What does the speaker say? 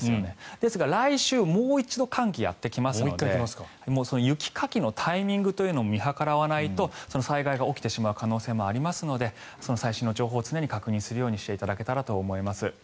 ですが、来週もう一度寒気がやってきますので雪かきのタイミングというのも見計らわないと災害が起きてしまう可能性もありますので最新の情報を常に確認するようにしていただけたらと思います。